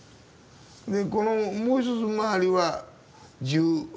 でこのもう一つ周りは１８世紀。